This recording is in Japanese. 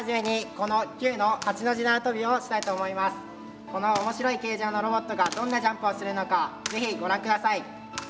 この面白い形状のロボットがどんなジャンプをするのかぜひご覧下さい。